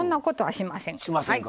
しませんか。